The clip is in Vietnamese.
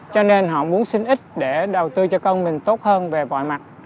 cho nên họ muốn sinh ít để đầu tư cho con mình tốt hơn về bọi mặt